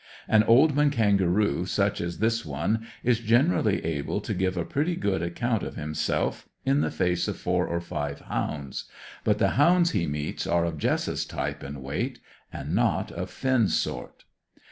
An old man kangaroo, such as this one, is generally able to give a pretty good account of himself in the face of four or five hounds; but the hounds he meets are of Jess's type and weight, and not of Finn's sort.